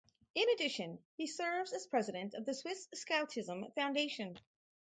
In addition, he serves as president of the Swiss Scoutism Foundation.